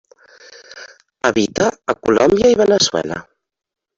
Habita a Colòmbia i Veneçuela.